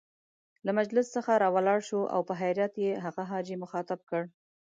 له مجلس څخه را ولاړ شو او په حيرت يې هغه حاجي مخاطب کړ.